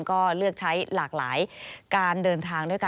ก็เลือกใช้หลากหลายการเดินทางด้วยกัน